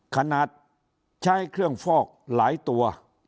ขนาดใช้เครื่องฟอกหลายตัว